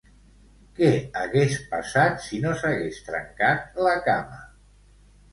Què hagués passat si no s'hagués trencat la cama?